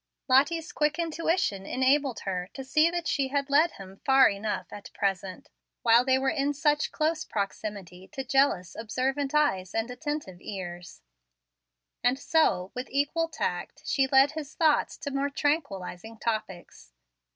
Lottie's quick intuition enabled her to see that she had led him far enough at present, while they were in such close proximity to jealous, observant eyes and attentive ears, and so, with equal tact, she led his thoughts to more tranquillizing topics.